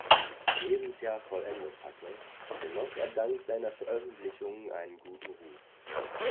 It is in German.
Lebensjahr vollendet hatte, genoss er dank seiner Veröffentlichungen einen guten Ruf.